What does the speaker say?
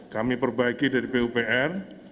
kami perbaiki dari pupr